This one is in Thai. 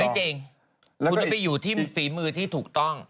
ไม่จริงคุณต้องไปอยู่ที่ฝีมือที่ถูกต้อง